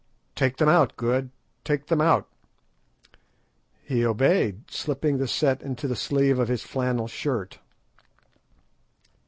Take them out, Good, take them out!" He obeyed, slipping the set into the sleeve of his flannel shirt.